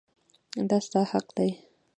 دا ستا حق دی.